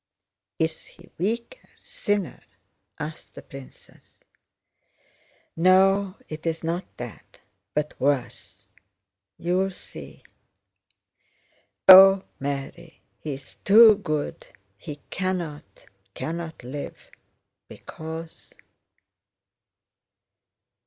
"Is he weaker? Thinner?" asked the princess. "No, it's not that, but worse. You will see. O, Mary, he is too good, he cannot, cannot live, because..."